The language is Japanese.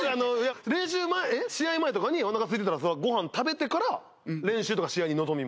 練習前試合前とかにおなかすいてたらご飯食べてから練習とか試合に臨みます。